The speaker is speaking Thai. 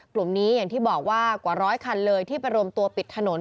กลุ่มนี้อย่างที่บอกว่ากว่าร้อยคันเลยที่ไปรวมตัวปิดถนน